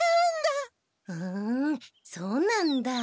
ふんそうなんだ。